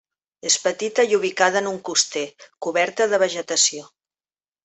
És petita i ubicada en un coster, coberta de vegetació.